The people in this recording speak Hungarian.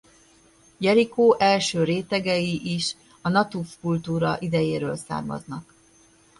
Jerikó első rétegei is a Natúf-kultúra idejéről származnak.